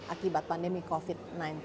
akibat pandemi covid sembilan belas